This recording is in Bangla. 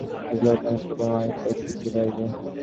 এ জগতে অনেক প্রকারের মানুষ দেখিতে পাইবে।